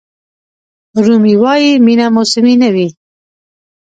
رومي وایي مینه موسمي نه وي.